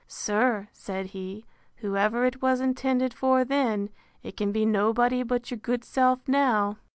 Sir, said he, whoever it was intended for then, it can be nobody but your good self now.